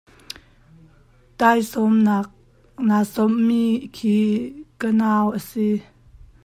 Tawisawm nak aa sawmh mi khi ka nau a si.